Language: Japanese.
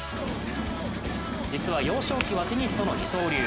実は幼少期はテニスとの二刀流。